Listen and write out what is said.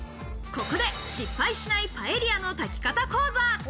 ここで失敗しないパエリアの炊き方講座。